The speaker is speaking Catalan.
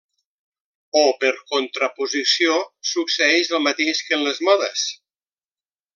O per contraposició succeeix el mateix que en les modes?